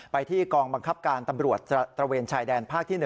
ไปที่กองบังคับการตำรวจตระเวนชายแดนภาคที่๑